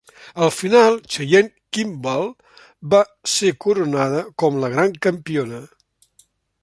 Al final, Cheyenne Kimball va ser coronada com la gran campiona.